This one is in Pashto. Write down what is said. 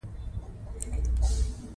آیا جګړه د انګریزانو دښکیلاک له منځه یوړه؟